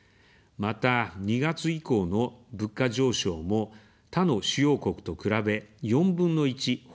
また、２月以降の物価上昇も他の主要国と比べ４分の１ほどに収まっています。